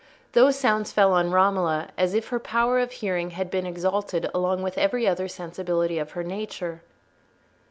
Those sounds fell on Romola as if her power of hearing had been exalted along with every other sensibility of her nature.